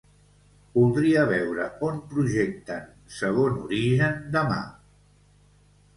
Voldria veure on projecten "Segon origen" demà.